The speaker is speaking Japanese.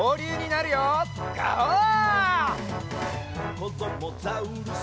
「こどもザウルス